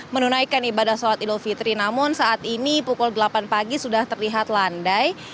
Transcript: menunaikan ibadah sholat idul fitri namun saat ini pukul delapan pagi sudah terlihat landai